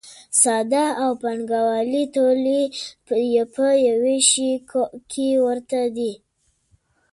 ساده او پانګوالي تولید په یوه شي کې ورته دي.